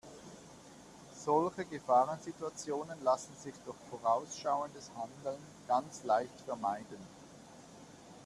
Solche Gefahrensituationen lassen sich durch vorausschauendes Handeln ganz leicht vermeiden.